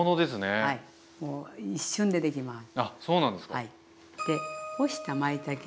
はい。